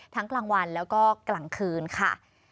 กลางวันแล้วก็กลางคืนค่ะ